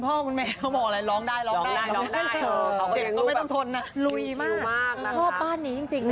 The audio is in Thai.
แปปแปม